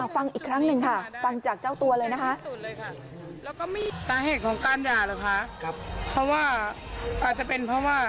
เพราะว่าอาจจะเป็นเพราะว่า